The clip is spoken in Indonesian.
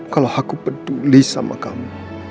kalau aku peduli sama kamu